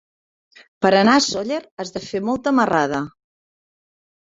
Per anar a Sóller has de fer molta marrada.